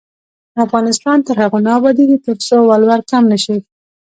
افغانستان تر هغو نه ابادیږي، ترڅو ولور کم نشي.